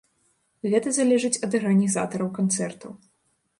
Гэта залежыць ад арганізатараў канцэртаў.